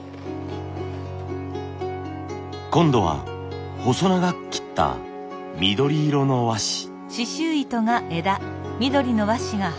今度は細長く切った緑色の和紙。